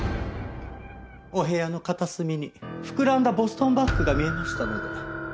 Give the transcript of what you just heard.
お部屋の片隅に膨らんだボストンバッグが見えましたので。